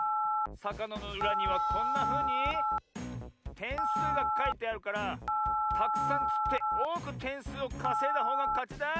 さかなのうらにはこんなふうにてんすうがかいてあるからたくさんつっておおくてんすうをかせいだほうがかちだ。